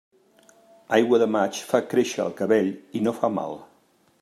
Aigua de maig fa créixer el cabell i no fa mal.